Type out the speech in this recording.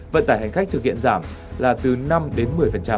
vận tải hành khách thực hiện giảm là từ năm đến một mươi